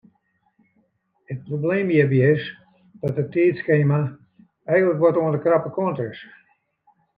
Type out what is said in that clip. It probleem hjirby is dat it tiidskema eins wat oan de krappe kant is.